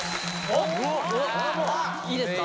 おっいいですか？